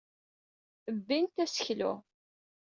Bbint aseklu.